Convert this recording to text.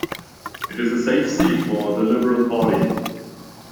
It is a safe seat for the Liberal Party.